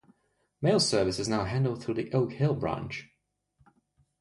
Mail service is now handled through the Oak hill branch.